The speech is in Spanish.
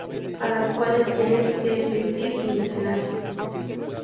A las cuales tienes que vestir y entrenar.